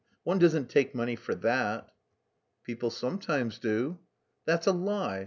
One doesn't take money for that." "People sometimes do." "That's a lie.